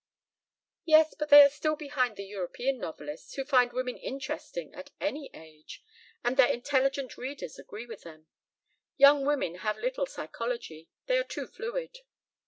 "Yes, but they are still behind the European novelists, who find women interesting at any age, and their intelligent readers agree with them. Young women have little psychology. They are too fluid."